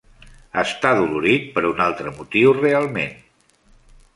Està dolorit per un altre motiu realment.